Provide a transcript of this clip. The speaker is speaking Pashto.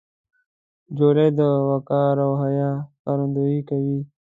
خولۍ د وقار او حیا ښکارندویي کوي.